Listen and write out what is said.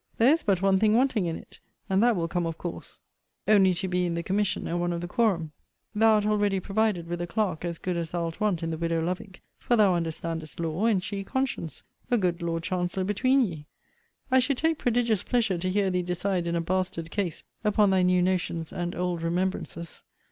There is but one thing wanting in it; and that will come of course: only to be in the commission, and one of the quorum. Thou art already provided with a clerk, as good as thou'lt want, in the widow Lovick; for thou understandest law, and she conscience: a good Lord Chancellor between ye! I should take prodigious pleasure to hear thee decide in a bastard case, upon thy new notions and old remembrances.